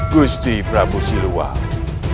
gusti prabu siliwangi